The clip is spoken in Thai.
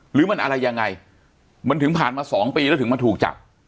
หรือมันอะไรยังไงมันถึงผ่านมา๒ปีแล้วถึงมาถูกจับ